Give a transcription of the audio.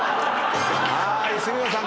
はーい杉野さん